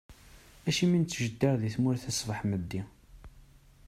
Acimi i nettjeddir di tmurt-a ṣbeḥ meddi?